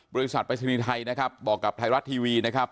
บริษัทปริศนีย์ไทยนะครับบอกกับไทยรัฐทีวีนะครับ